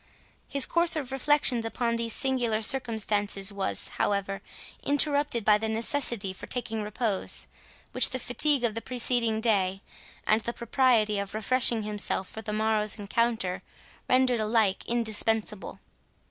His course of reflections upon these singular circumstances was, however, interrupted by the necessity for taking repose, which the fatigue of the preceding day, and the propriety of refreshing himself for the morrow's encounter, rendered alike indispensable.